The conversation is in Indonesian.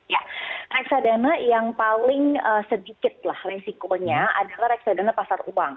ya reksadana yang paling sedikit lah resikonya adalah reksadana pasar uang